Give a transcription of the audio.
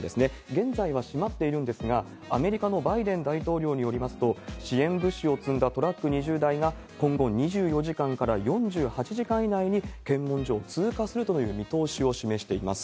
現在は閉まっているんですが、アメリカのバイデン大統領によりますと、支援物資を積んだトラック２０台が、今後２４時間から４８時間以内に検問所を通過するという見通しを示しています。